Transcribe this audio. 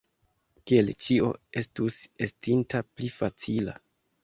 Kiel ĉio estus estinta pli facila!